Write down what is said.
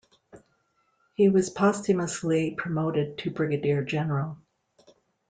He was posthumously promoted to brigadier general.